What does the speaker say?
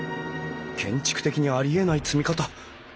建築的にありえない積み方。